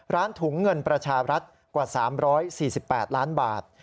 ถุงเงินประชารัฐกว่า๓๔๘ล้านบาท